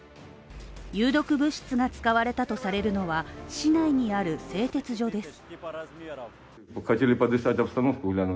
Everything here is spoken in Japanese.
有毒物質が使われたとされるのは市内にある製鉄所です。